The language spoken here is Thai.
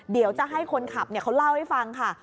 เดี๋ยวจะให้คนขับเขาเล่าให้ฟังค่ะ